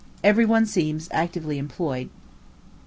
Every one seems actively employed.